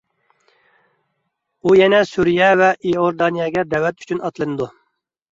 ئۇ يەنە سۈرىيە ۋە ئىيوردانىيەگە دەۋەت ئۈچۈن ئاتلىنىدۇ.